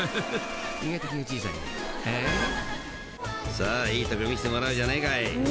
［さあいいところ見せてもらおうじゃねえかい］